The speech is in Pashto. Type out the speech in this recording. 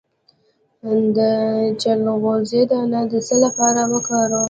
د چلغوزي دانه د څه لپاره وکاروم؟